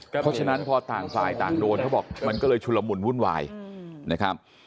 เพราะฉะนั้นพอต่างฝ่ายต่างโดนเขาบอกมันก็เลยชุลมุนวุ่นวายนะครับ